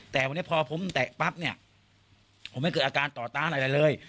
แต่วันนี้พอผมแตะปั๊บเนี่ยผมไม่เกิดอาการต่อต้านอะไรเลย